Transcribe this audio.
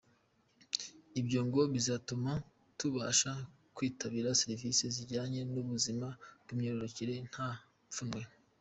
Ibyo ngo bizatuma babasha kwitabira services zijyanye n’ubuzima bw’imyororokere nta pfunwe.